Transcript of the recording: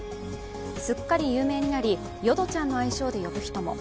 すっかり有名になりヨドちゃんの愛称で呼ぶ人も。